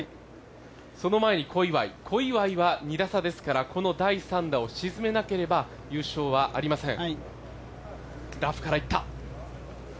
その前に小祝小祝は２打差ですからこの第３打を沈めなければ、優勝はありません。